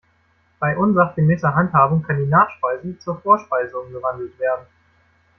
Bei unsachgemäßer Handhabung kann die Nachspeise zur Vorspeise umgewandelt werden.